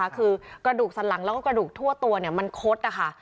คือกระดูกสันหลังแล้วก็กระดูกทั่วตัวมันคดนะคะ